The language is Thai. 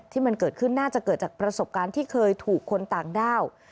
ที่มันเกิดขึ้นน่าจะเกิดจากประสบการณ์ที่เคยถูกคนต่างด้าว